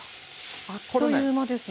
あっという間ですね。